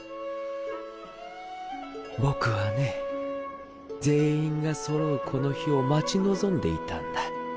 僕はね全員がそろうこの日を待ち望んでいたんだ。